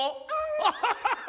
アハハハ！